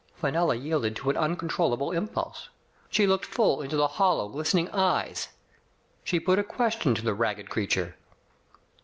Fenella yielded to an uncontrollable impulse. She looked full into the hollow, glistening eyes. She put a question to the ragged creature.